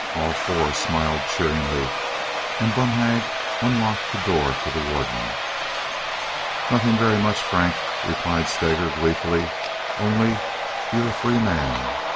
All four smiled cheeringly, and Bonhag unlocked the door for the warden. "Nothing very much, Frank," replied Stager, gleefully, "only you're a free man.